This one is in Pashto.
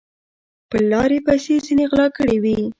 پر لار یې پیسې ځیني غلا کړي وې